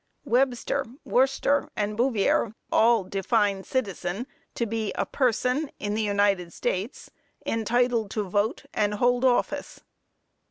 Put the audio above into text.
Webster, Worcester and Bouvier all define citizen to be a person, in the United States, entitled to vote and hold office.